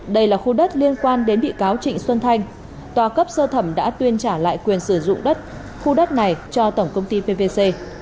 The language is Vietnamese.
đây là khu đất liên quan đến bị cáo trịnh xuân thanh tòa cấp sơ thẩm đã tuyên trả lại quyền sử dụng đất khu đất này cho tổng công ty pvc